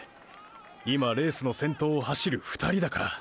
今レースの先頭を走る２人だから！！